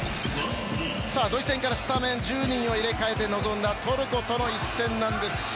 ドイツ戦からスタメン１０人を入れ替えて臨んだトルコとの１戦なんです。